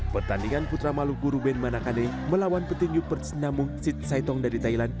pertandingan putra maluku ruben manakane melawan petinju persinamu sit saitong dari thailand